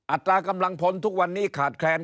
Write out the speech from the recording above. ตรากำลังพลทุกวันนี้ขาดแคลน